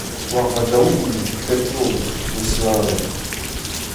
War va daoulin, bep noz, em eus leñvet.